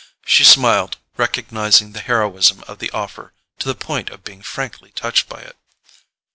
She smiled, recognizing the heroism of the offer to the point of being frankly touched by it.